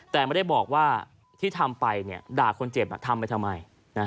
แต่ไม่ได้บอกว่าที่ทำไปด่าคนเจ็บทำไปทำไม